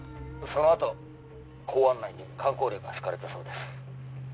そのあと公安内にかん口令が敷かれたそうです。